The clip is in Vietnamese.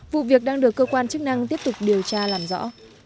vụ việc đang được cơ quan chức năng tiếp tục điều tra làm rõ